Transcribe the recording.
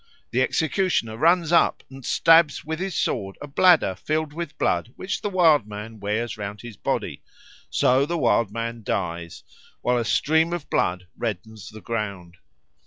The executioner runs up and stabs with his sword a bladder filled with blood which the Wild Man wears round his body; so the Wild Man dies, while a stream of blood reddens the ground.